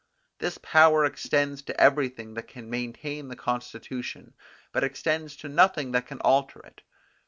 This power extends to everything that can maintain the constitution, but extends to nothing that can alter it.